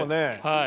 はい。